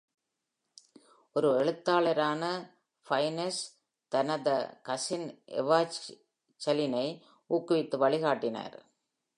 ஒரு எழுத்தாளரான ஃபர்னெஸ், தனத கசின் எவாஞ்சலினை ஊக்குவித்து, வழிகாட்டினார்.